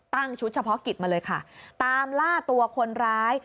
ชุดเฉพาะกิจมาเลยค่ะตามล่าตัวคนร้าย